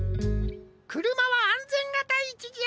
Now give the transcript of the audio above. くるまはあんぜんがだいいちじゃ！